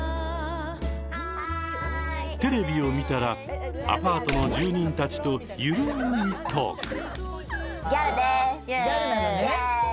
テレビを見たらアパートの住人たちと緩いトーク。